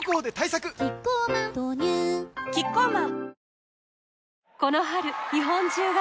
キッコーマン豆乳キッコーマン